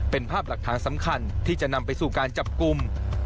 เป็นภาพหลักฐานสำคัญที่จะนำไปสู่การจับกลุ่ม